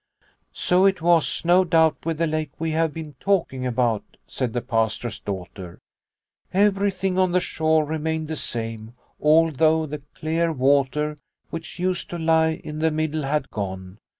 "So it was no doubt with the lake we have been talking about," said the Pastor's daughter. " Everything on the shore remained the same, although the clear water which used to lie in the middle had gone.